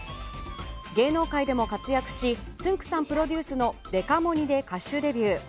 芸能界でも活躍しつんく♂さんプロデュースのデカモニ。で歌手デビュー。